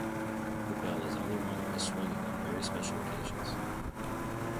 The bell is only rung by swinging on very special occasions.